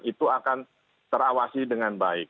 itu akan terawasi dengan baik